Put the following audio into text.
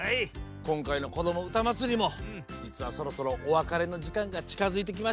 こんかいの「こどもうたまつり」もじつはそろそろおわかれのじかんがちかづいてきました。